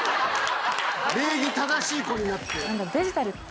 礼儀正しい子になって。